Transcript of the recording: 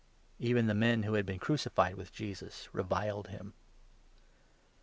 Even the men who had been crucified with Jesus reviled him.